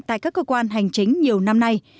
tại các cơ quan hành chính nhiều năm nay